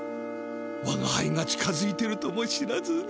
わがはいが近づいてるとも知らずに。